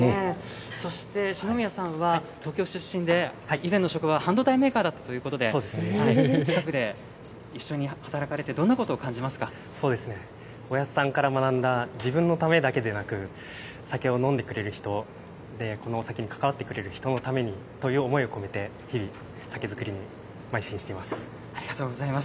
そして、四宮さんは東京出身で、以前の職場は半導体メーカーだったということで、近くで一緒に働かれて、どんそうですね、おやじさんから学んだ、自分のためだけでなく、酒を飲んでくれる人で、このお酒に関わってくれる人のためにという思いを込めて日々、酒造りに邁ありがとうございます。